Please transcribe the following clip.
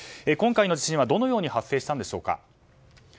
今回の地震はどのように発生したんでしょうか。